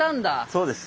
そうです。